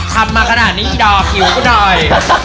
ทำมาขนาดนี้ดอกหิวกูหน่อย